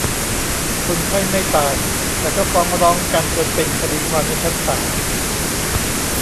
คนไข้ไม่ตาย แต่ก็ฟ้องร้องกันจนเป็นคดีความในชั้นศาล